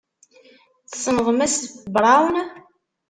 Tessneḍ Mass Braun?